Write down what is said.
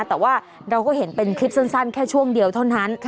แต่ว่าเราก็เห็นเป็นคลิปสั้นแค่ช่วงเดียวเท่านั้น